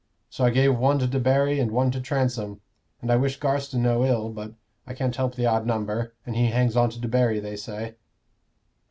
So I gave one to Debarry and one to Transome; and I wish Garstin no ill, but I can't help the odd number, and he hangs on to Debarry, they say."